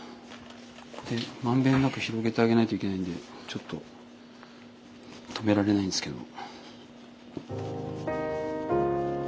で満遍なく広げてあげないといけないんでちょっと止められないんですけど。